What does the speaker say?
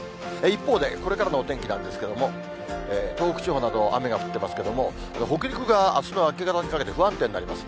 一方で、これからのお天気なんですけども、東北地方など雨が降ってますけども、北陸があすの明け方にかけて、不安定になります。